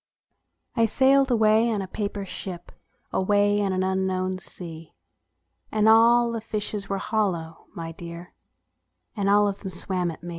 I sailed away in a paper ship, Away on an unknown sea ; And all the fishes were hollow, my dear, And all of them swam at me.